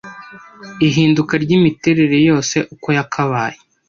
ihinduka ryimiterere yose uko yakabaye